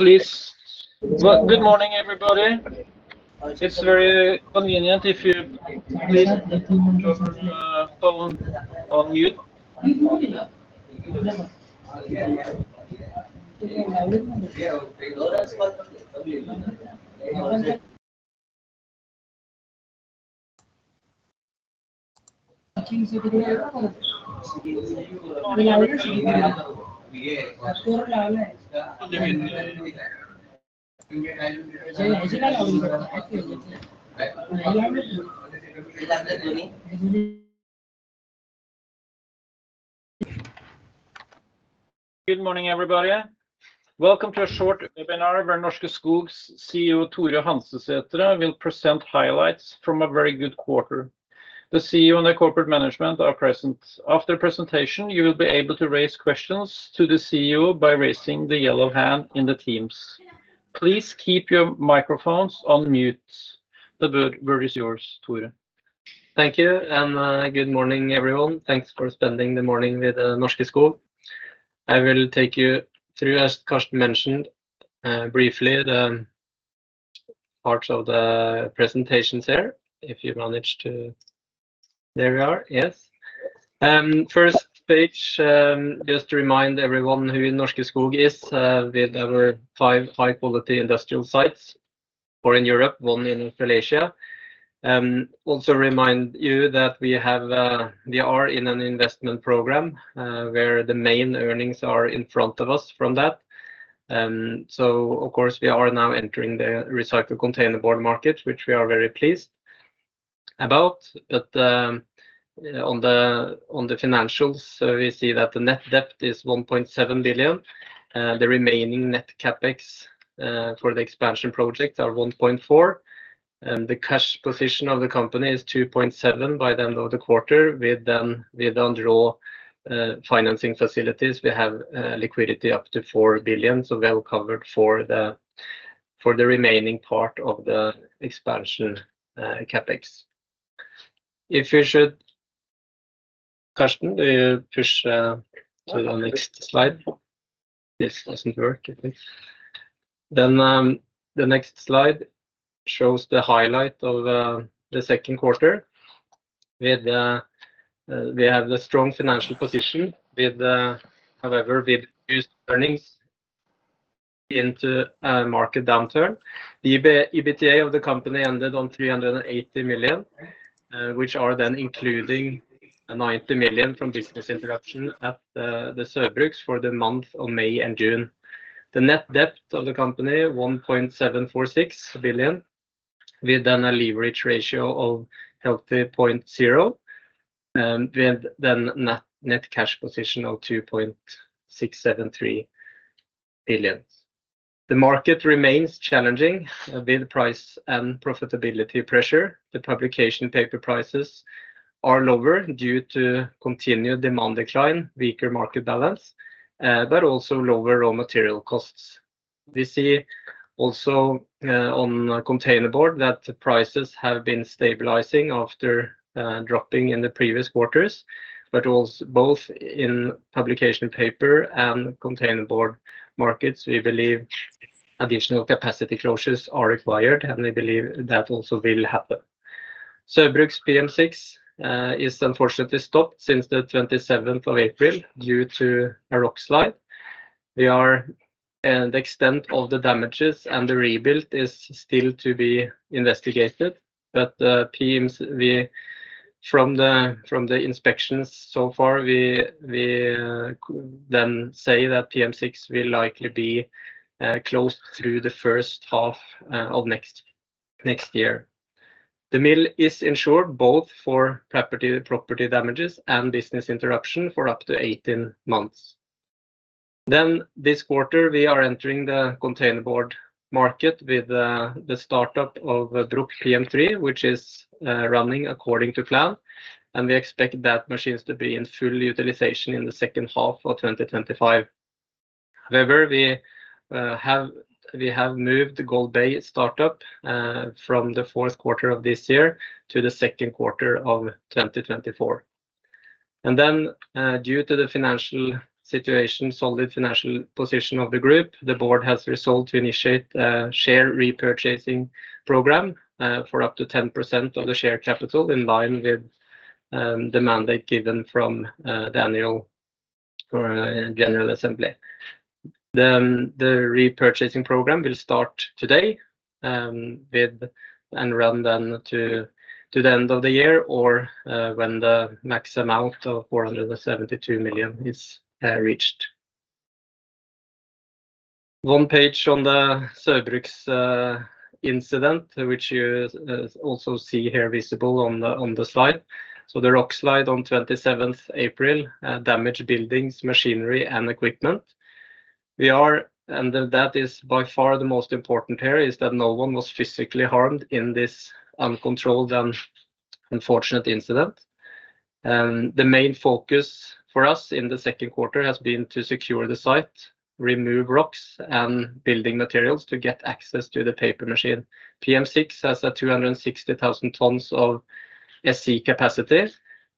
Please. Well, good morning, everybody. It's very convenient if you please put your phone on mute. Good morning, everybody. Welcome to a short webinar where Norske Skog's CEO, Tore Hansesætre, will present highlights from a very good quarter. The CEO and the corporate management are present. After presentation, you will be able to raise questions to the CEO by raising the yellow hand in the teams. Please keep your microphones on mute. The word is yours, Tore. Thank you, good morning, everyone. Thanks for spending the morning with Norske Skog. I will take you through, as Carsten mentioned, briefly, the parts of the presentations here. If you manage to, there we are. First page, just to remind everyone who Norske Skog is, with our five high-quality industrial sites, four in Europe, one in Malaysia. Also remind you that we are in an investment program, where the main earnings are in front of us from that. Of course, we are now entering the recycled containerboard market, which we are very pleased about. On the financials, we see that the net debt is 1.7 billion. The remaining net CapEx for the expansion project are 1.4 billion. The cash position of the company is 2.7 billion by the end of the quarter. With undraw financing facilities, we have liquidity up to NOK 4 billion, so well covered for the remaining part of the expansion CapEx. Carsten, do you push to the next slide? This doesn't work, I think. The next slide shows the highlight of the second quarter. We have a strong financial position; however, with huge earnings into a market downturn. EBITDA of the company ended on 380 million, which are then including 90 million from business interruption at the Saugbrugs for the month of May and June. The net debt of the company, 1.746 billion, with then a leverage ratio of [.0], with then net cash position of 2.673 billion. The market remains challenging with price and profitability pressure. The publication paper prices are lower due to continued demand decline, weaker market balance, but also lower raw material costs. We see also on containerboard that prices have been stabilizing after dropping in the previous quarters, but also, both in publication paper and containerboard markets, we believe additional capacity closures are required, and we believe that also will happen. Saugbrugs PM6 is unfortunately stopped since the 27th of April due to a rock slide. The extent of the damages and the rebuild is still to be investigated. But PM6, we... From the inspections so far, we then say that PM6 will likely be closed through the first half of next year. The mill is insured both for property damages and business interruption for up to 18 months. This quarter, we are entering the containerboard market with the start-up of Bruck PM3, which is running according to plan, and we expect that machines to be in full utilization in the second half of 2025. However, we have moved the Golbey start-up from the fourth quarter of this year to the second quarter of 2024. Due to the financial situation, solid financial position of the group, the board has resolved to initiate a share repurchasing program for up to 10% of the share capital, in line with the mandate given from the annual general assembly. The repurchasing program will start today, and run then to the end of the year or when the max amount of 472 million is reached. One page on the Saugbrugs incident, which you also see here visible on the slide. The rock slide on 27th April damaged buildings, machinery, and equipment. That is by far the most important here, is that no one was physically harmed in this uncontrolled and unfortunate incident. The main focus for us in the second quarter has been to secure the site, remove rocks and building materials to get access to the paper machine. PM6 has a 260,000 tons of SC capacity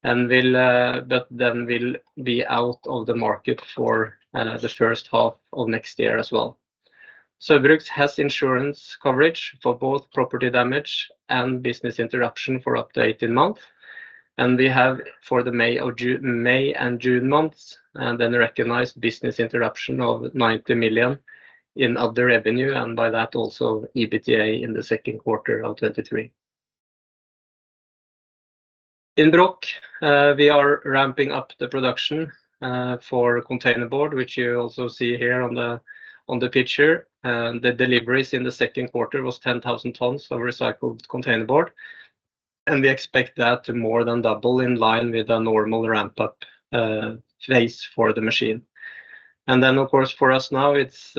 and will be out of the market for the first half of next year as well. Bruck has insurance coverage for both property damage and business interruption for up to 18 months, and we have for the May and June months a recognized business interruption of 90 million in other revenue, and by that also, EBITDA in the second quarter of 2023. In Bruck, we are ramping up the production for containerboard, which you also see here on the picture. The deliveries in the second quarter was 10,000 tons of recycled containerboard, and we expect that to more than double in line with a normal ramp-up phase for the machine. Of course, for us now, it's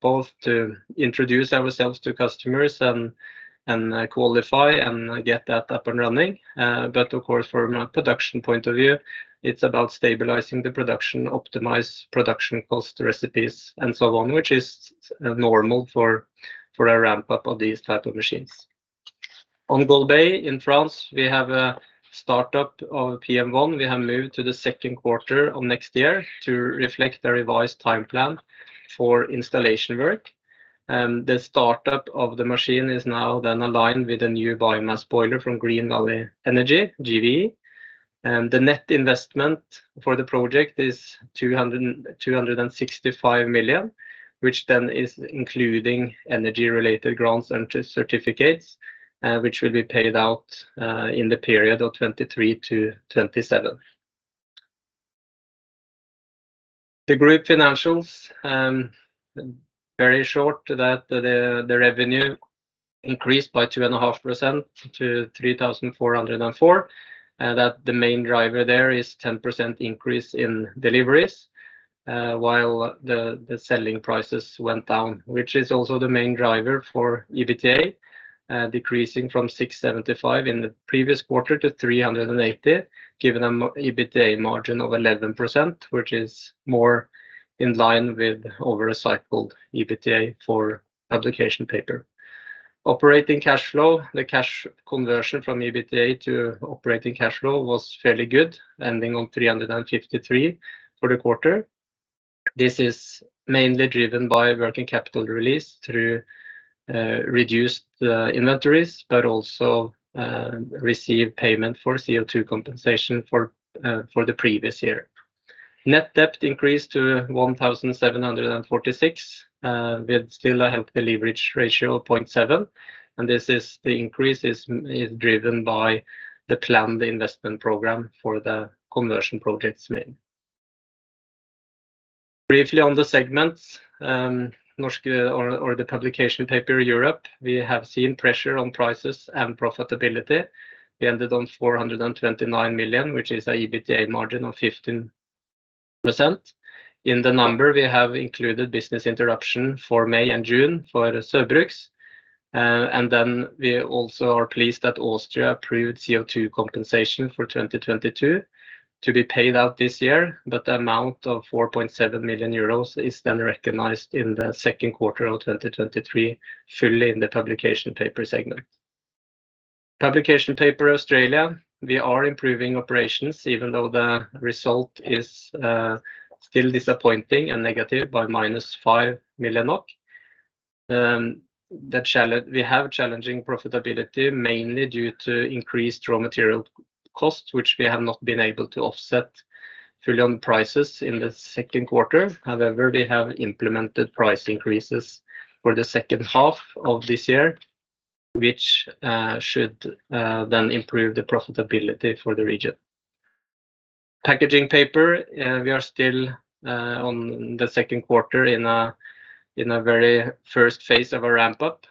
both to introduce ourselves to customers and qualify and get that up and running. Of course, from a production point of view, it's about stabilizing the production, optimize production cost, recipes, and so on, which is normal for a ramp-up of these type of machines. On Golbey in France, we have a startup of PM1. We have moved to the second quarter of 2024 to reflect the revised time plan for installation work, and the startup of the machine is now then aligned with a new biomass boiler from Green Valley Energie (GVE). The net investment for the project is 265 million, which then is including energy-related grants and certificates, which will be paid out in the period of 2023-2027. The group financials, very short, that the revenue increased by 2.5% to 3.404 billion, and that the main driver there is 10% increase in deliveries, while the selling prices went down, which is also the main driver for EBITDA, decreasing from 675 million in the previous quarter to 380 million, giving them EBITDA margin of 11%, which is more in line with over recycled EBITDA for publication paper. Operating cash flow, the cash conversion from EBITDA to operating cash flow was fairly good, ending on 353 million for the quarter. This is mainly driven by working capital release through reduced inventories, but also receive payment for CO2 compensation for the previous year. Net debt increased to 1.746 billion, with still a healthy leverage ratio of 0.7. This is the increase is driven by the planned investment program for the conversion projects main. Briefly on the segments, Norske or the Publication Paper Europe, we have seen pressure on prices and profitability. We ended on 429 million, which is a EBITDA margin of 15%. In the number, we have included business interruption for May and June for Saugbrugs. We also are pleased that Austria approved CO2 compensation for 2022 to be paid out this year, but the amount of 4.7 million euros is then recognized in the second quarter of 2023, fully in the publication paper segment. Publication paper Australia, we are improving operations even though the result is still disappointing and negative by minus 5 million NOK. We have challenging profitability, mainly due to increased raw material costs, which we have not been able to offset fully on prices in the second quarter. However, they have implemented price increases for the second half of this year, which should then improve the profitability for the region. packaging paper, we are still on the second quarter in a very first phase of a ramp-up.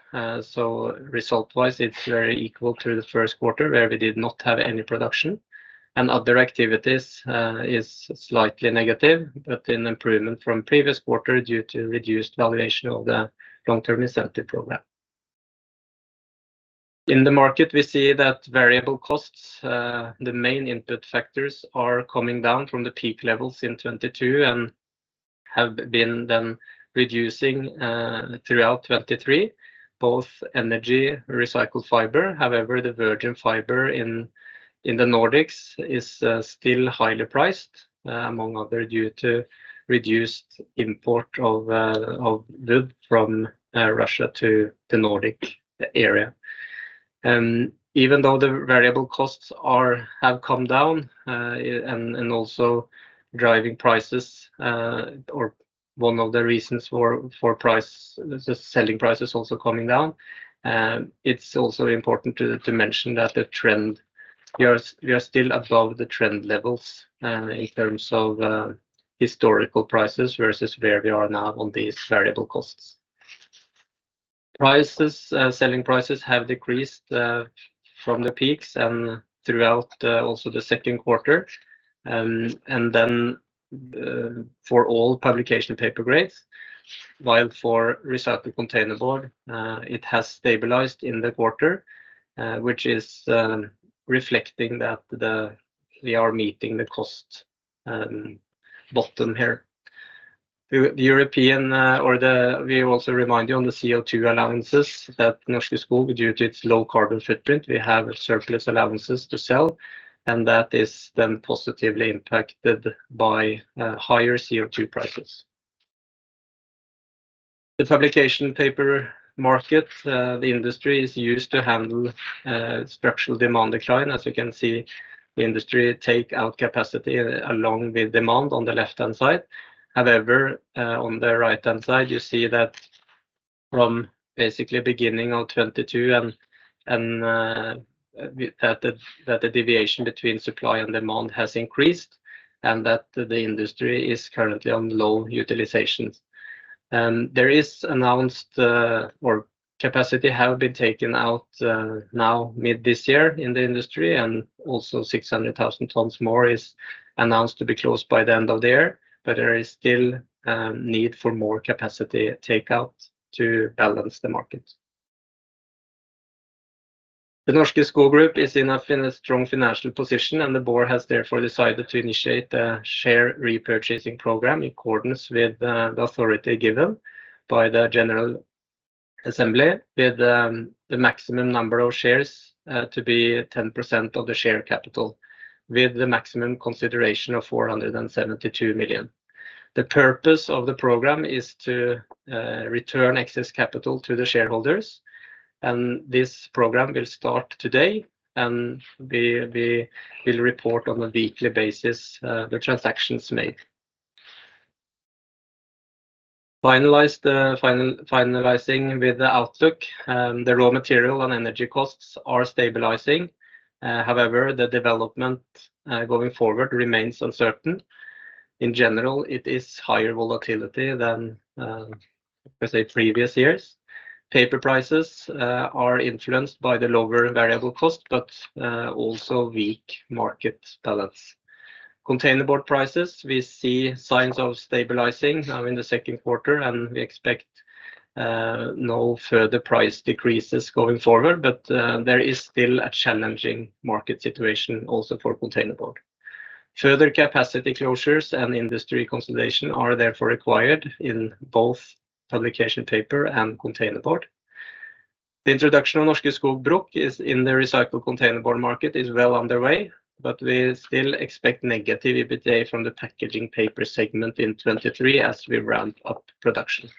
Result-wise, it's very equal to the first quarter, where we did not have any production. Other activities is slightly negative, but an improvement from previous quarter due to reduced valuation of the long-term incentive program. In the market, we see that variable costs, the main input factors are coming down from the peak levels in 2022 and have been then reducing throughout 2023, both energy recycled fiber. However, the virgin fiber in the Nordics is still highly priced, among other, due to reduced import of wood from Russia to the Nordic area. Even though the variable costs have come down, and also driving prices, or one of the reasons for price, the selling prices also coming down, it's also important to mention that the trend, we are still above the trend levels, in terms of historical prices versus where we are now on these variable costs. Selling prices have decreased from the peaks and throughout also the second quarter. For all publication paper grades, while for recycled containerboard, it has stabilized in the quarter, which is reflecting that we are meeting the cost bottom here. The European, we also remind you on the CO2 allowances that Norske Skog, due to its low carbon footprint, we have surplus allowances to sell. That is then positively impacted by higher CO2 prices. The publication paper market, the industry is used to handle structural demand decline. As you can see, the industry take out capacity along with demand on the left-hand side. On the right-hand side, you see that from basically beginning of 2022 and that the deviation between supply and demand has increased, and that the industry is currently on low utilizations. There is announced, or capacity have been taken out, now, mid this year in the industry, also 600,000 tons more is announced to be closed by the end of the year, there is still need for more capacity takeout to balance the market. The Norske Skog group is in a strong financial position, the board has therefore decided to initiate a share repurchasing program in accordance with the authority given by the general assembly, with the maximum number of shares to be 10% of the share capital, with the maximum consideration of 472 million. The purpose of the program is to return excess capital to the shareholders, this program will start today, and we will report on a weekly basis the transactions made. Finalizing with the outlook, the raw material and energy costs are stabilizing. However, the development going forward remains uncertain. In general, it is higher volatility than, let's say, previous years. Paper prices are influenced by the lower variable cost but also weak market balance. Containerboard prices, we see signs of stabilizing now in the second quarter, and we expect no further price decreases going forward. There is still a challenging market situation also for containerboard. Further capacity closures and industry consolidation are therefore required in both publication paper and containerboard. The introduction of Norske Skog Bruck in the recycled containerboard market is well underway, but we still expect negative EBITDA from the packaging paper segment in 2023 as we ramp up production.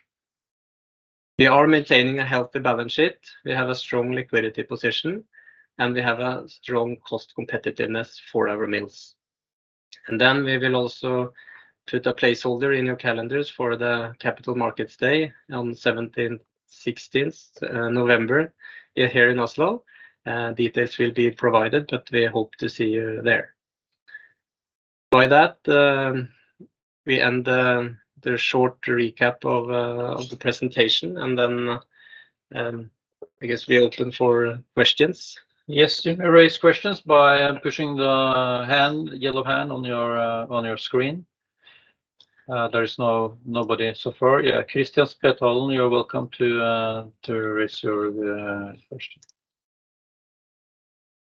We are maintaining a healthy balance sheet, we have a strong liquidity position, and we have a strong cost competitiveness for our mills. We will also put a placeholder in your calendars for the Capital Markets Day on 16th November, here in Oslo. Details will be provided, but we hope to see you there. By that, we end the short recap of the presentation. I guess we are open for questions. You may raise questions by pushing the hand, yellow hand on your screen. There is nobody so far. Kristian Spetalen, you are welcome to raise your question.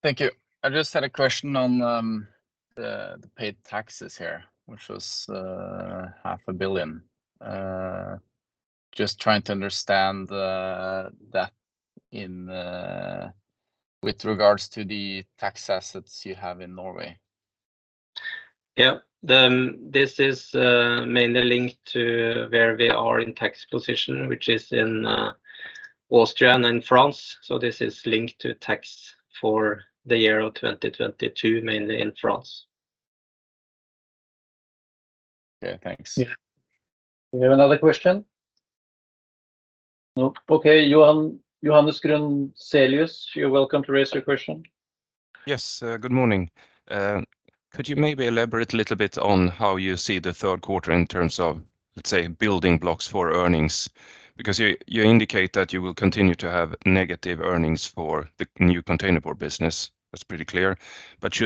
Thank you. I just had a question on the paid taxes here, which was half a billion. Just trying to understand that in with regards to the tax assets you have in Norway. Yeah. This is mainly linked to where we are in tax position, which is in Austria and France. This is linked to tax for the year of 2022, mainly in France. Okay, thanks. Yeah. We have another question? No? Okay, Johan, Johannes Grönselius, you're welcome to raise your question. Yes, good morning. Could you maybe elaborate a little bit on how you see the third quarter in terms of, let's say, building blocks for earnings? You indicate that you will continue to have negative earnings for the new containerboard business. That's pretty clear.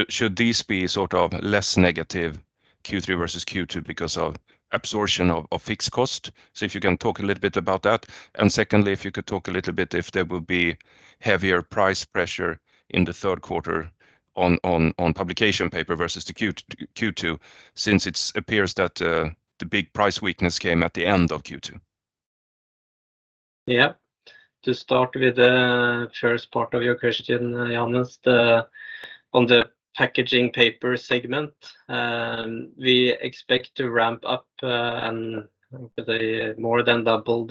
Should these be sort of less negative Q3 versus Q2 because of absorption of fixed cost? If you can talk a little bit about that. Secondly, if you could talk a little bit, if there will be heavier price pressure in the third quarter on publication paper versus the Q2, since it appears that the big price weakness came at the end of Q2. Yeah. To start with the first part of your question, Johannes, on the packaging paper segment, we expect to ramp up and more than double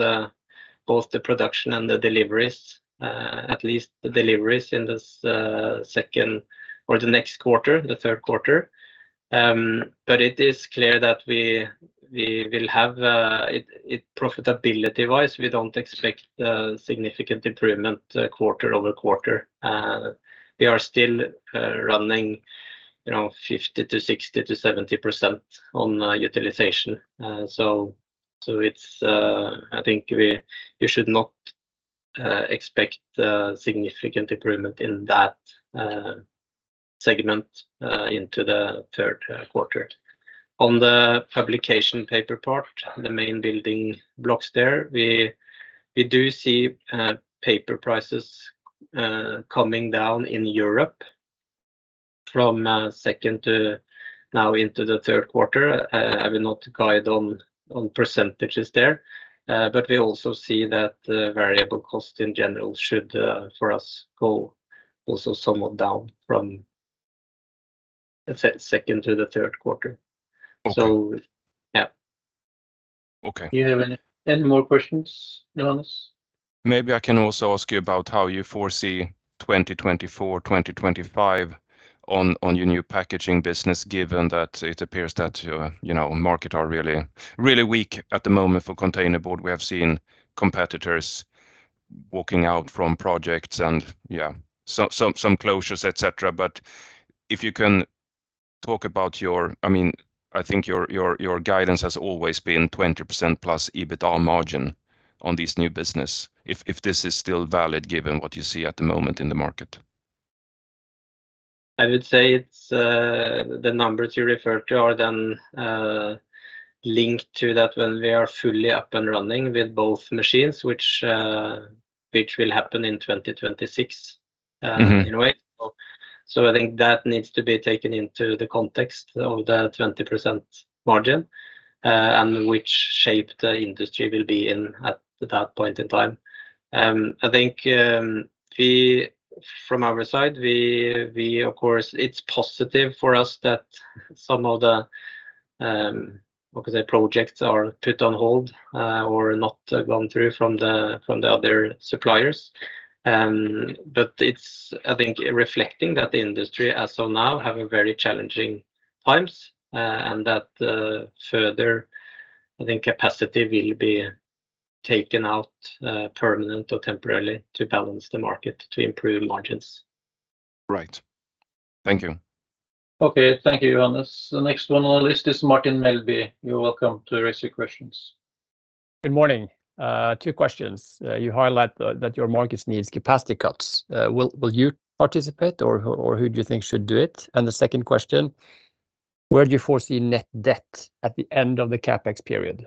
both the production and the deliveries, at least the deliveries in this second or the next quarter, the third quarter. It is clear that we will have profitability-wise, we don't expect a significant improvement quarter-over-quarter. We are still running, you know, 50% to 60% to 70% on utilization. It's I think you should not expect a significant improvement in that segment into the third quarter. On the publication paper part, the main building blocks there, we do see paper prices coming down in Europe from second to now into the third quarter. I will not guide on percentages there, but we also see that the variable cost in general should, for us, go also somewhat down from the second to the third quarter. Okay. Yeah. Okay. Do you have any more questions, Johannes? Maybe I can also ask you about how you foresee 2024, 2025 on your new packaging business, given that it appears that your, you know, market are really, really weak at the moment for containerboard. We have seen competitors walking out from projects and, yeah, some closures, et cetera. If you can talk about, I mean, I think your guidance has always been 20%+ plus EBITDA margin on this new business. If this is still valid, given what you see at the moment in the market? I would say it's, the numbers you referred to are then, linked to that when we are fully up and running with both machines, which will happen in 2026, in a way. Mm-hmm. I think that needs to be taken into the context of the 20% margin and which shape the industry will be in at that point in time. I think we from our side, we of course, it's positive for us that some of the, what you say, projects are put on hold or not gone through from the, from the other suppliers. It's, I think, reflecting that the industry, as of now, have a very challenging times, and that further, I think capacity will be taken out permanent or temporarily to balance the market, to improve margins. Right. Thank you. Okay. Thank you, Johannes. The next one on the list is Martin Melbye. You're welcome to raise your questions. Good morning. Two questions. You highlight that your markets need capacity cuts. Will you participate, or who do you think should do it? The second question, where do you foresee net debt at the end of the CapEx period?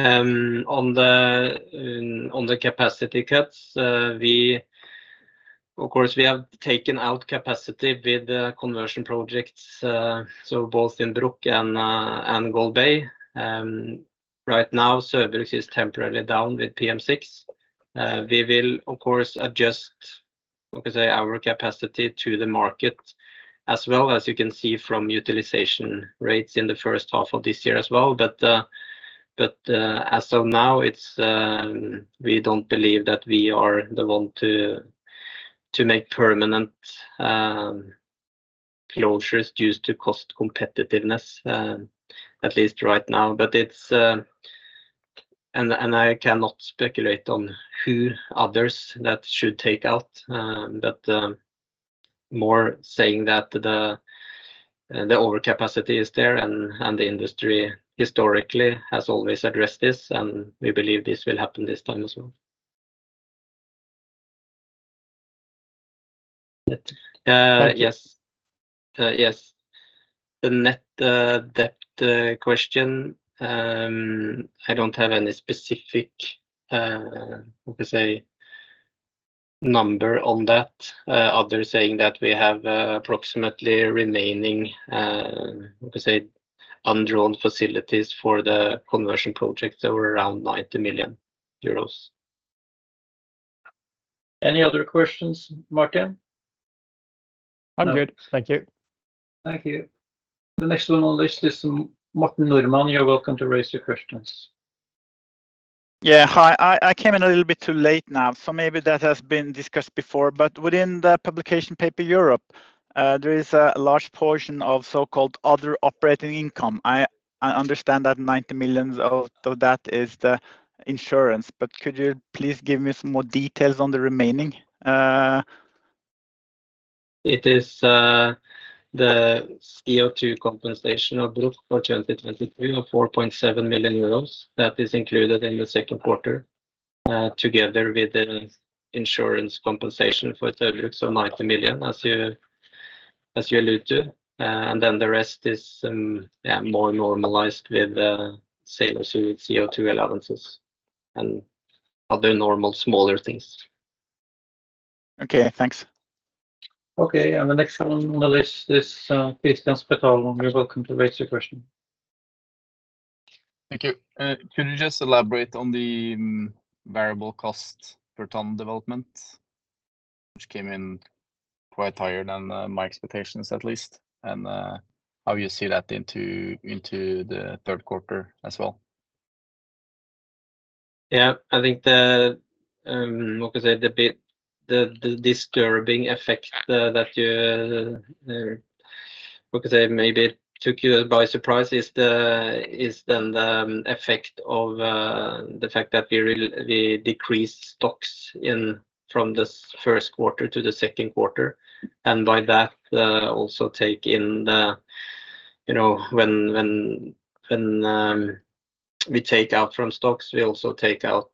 On the capacity cuts, we of course, we have taken out capacity with the conversion projects, so both in Bruck and Golbey. Right now, Saugbrugs is temporarily down with PM6. We will of course adjust, what you say, our capacity to the market as well as you can see from utilization rates in the first half of this year as well. As of now, it's, we don't believe that we are the one to make permanent closures due to cost competitiveness, at least right now. It's. I cannot speculate on who others that should take out, more saying that the overcapacity is there and the industry historically has always addressed this, and we believe this will happen this time as well. Thank you. Yes, yes. The net debt question, I don't have any specific, what you say, number on that. Others saying that we have approximately remaining, what you say, undrawn facilities for the conversion projects over around 90 million euros. Any other questions, Martin? I'm good. Thank you. Thank you. The next one on the list is [Martin Nordman]. You're welcome to raise your questions. Hi, I came in a little bit too late now, so maybe that has been discussed before. Within the publication paper Europe, there is a large portion of so-called other operating income. I understand that 90 million of that is the insurance, but could you please give me some more details on the remaining? It is the CO2 compensation of Bruck for 2023 of 4.7 million euros. That is included in the second quarter, together with the insurance compensation for Saugbrugs, so 90 million, as you allude to. Then the rest is, yeah, more normalized with sales of CO2 allowances and other normal, smaller things. Okay, thanks. Okay, the next one on the list is, Kristian Spetalen. You're welcome to raise your question. Thank you. Could you just elaborate on the variable cost per ton development, which came in quite higher than my expectations at least, and how you see that into the third quarter as well? I think the, what you say, the bit, the disturbing effect that you, what you say, maybe took you by surprise is the, is then the effect of, the fact that we really, we decreased stocks in, from the first quarter to the second quarter, by that, also take in the, you know, when we take out from stocks, we also take out,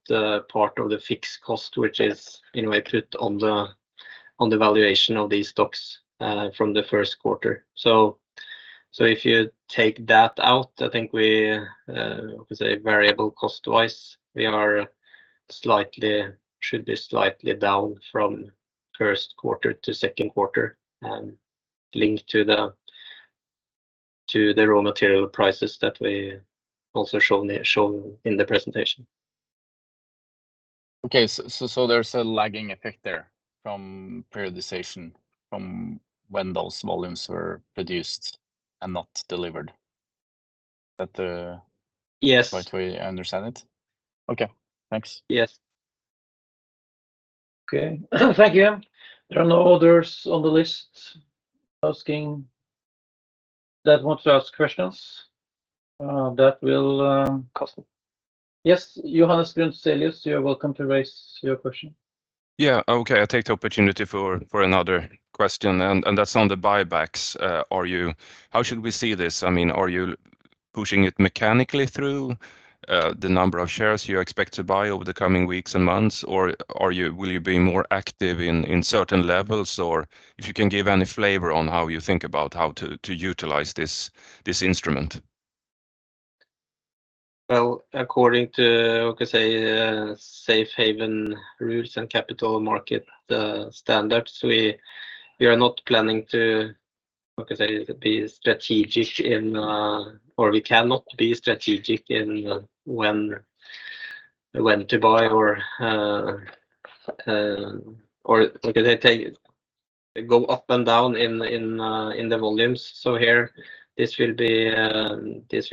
part of the fixed cost, which is in a way put on the, on the valuation of these stocks, from the first quarter. If you take that out, I think we, say variable cost-wise, we are slightly, should be slightly down from first quarter to second quarter, linked to the raw material prices that we also shown in the presentation. Okay, so there's a lagging effect there from periodization, from when those volumes were produced and not delivered. Yes. Right way I understand it? Okay, thanks. Yes. Okay, thank you. There are no others on the list that want to ask questions, that will... Carsten? Johannes Grönselius, you are welcome to raise your question. Yeah. Okay, I take the opportunity for another question, and that's on the buybacks. How should we see this? I mean, are you pushing it mechanically through the number of shares you expect to buy over the coming weeks and months? Or, will you be more active in certain levels? Or if you can give any flavor on how you think about how to utilize this instrument. Well, according to safe harbor rules and capital market standards, we are not planning to be strategic in, or we cannot be strategic in, when to buy or they go up and down in the volumes. Here, this will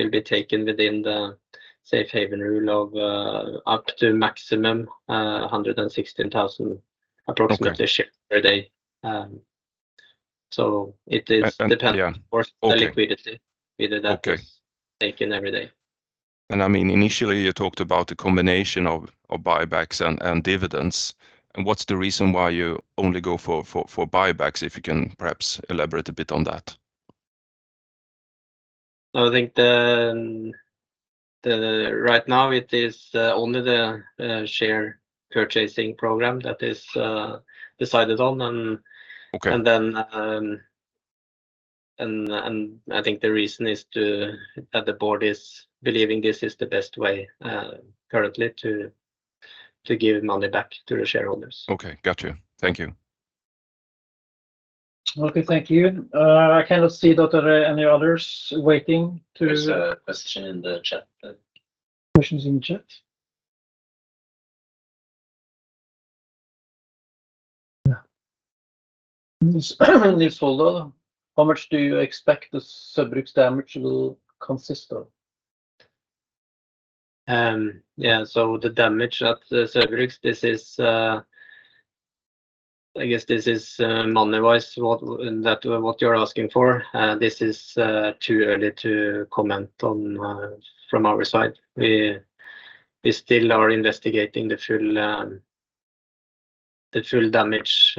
be taken within the safe harbor rule of up to maximum 116,000 approximate share per day, so it is dependent- Yeah. Of course on liquidity. Okay. We do that taken every day. I mean, initially, you talked about the combination of buybacks and dividends. What's the reason why you only go for buybacks? If you can perhaps elaborate a bit on that. I think the, right now it is only the share purchasing program that is decided on. Okay. I think the reason is that the board is believing this is the best way currently to give money back to the shareholders. Okay, got you. Thank you. Okay, thank you. I cannot see that there are any others waiting. There's a question in the chat. Questions in the chat? Yeah. Nils Holo, how much do you expect the Saugbrugs damage will consist of? The damage at the Saugbrugs, this is, I guess this is, money-wise, what, that what you're asking for. This is too early to comment on from our side. We still are investigating the full damage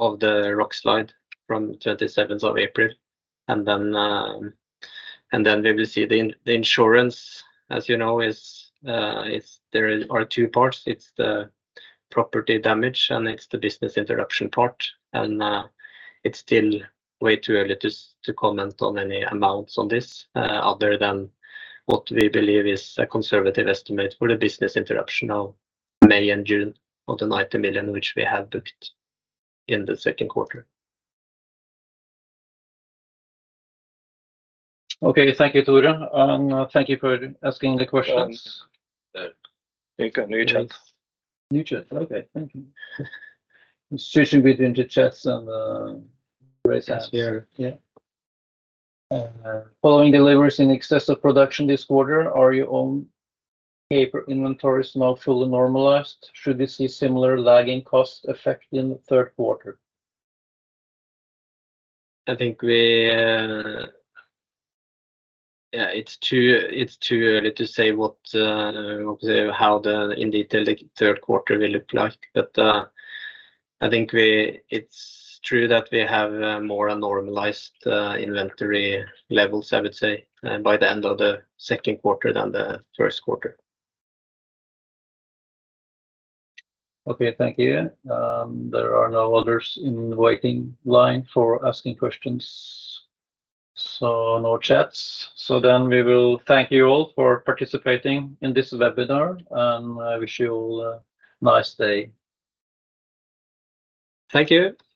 of the rockslide from 27th of April. Then we will see the insurance, as you know, is there are two parts. It's the property damage, and it's the business interruption part. It's still way too early to comment on any amounts on this other than what we believe is a conservative estimate for the business interruption of May and June of the 90 million, which we have booked in the second quarter. Okay. Thank you, Tore. Thank you for asking the questions. I think a new chat. New chat. Okay. Thank you. Switching between the chats and raising here. Yeah. Following deliveries in excess of production this quarter, are your own paper inventories now fully normalized? Should we see similar lagging cost effect in the third quarter? It's too early to say what, how the, in detail the third quarter will look like. I think it's true that we have, more normalized, inventory levels, I would say, by the end of the second quarter than the first quarter. Okay. Thank you. There are no others in the waiting line for asking questions, so no chats. We will thank you all for participating in this webinar, and I wish you all a nice day. Thank you.